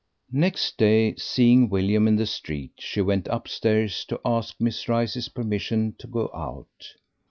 Next day, seeing William in the street, she went upstairs to ask Miss Rice's permission to go out.